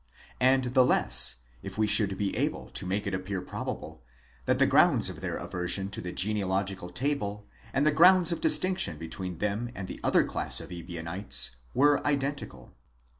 And the less if we should be able to make it appear probable, that the grounds of their aversion to the genealogical table, and the grounds of distinction between them and the other class of Ebionites, were identical.